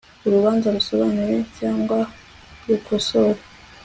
urubanza rusobanura cyangwa rukosora